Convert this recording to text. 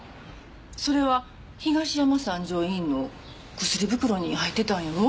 それは東山三条医院の薬袋に入ってたんやろう？